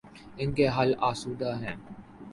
ان کے حال آسودہ ہیں۔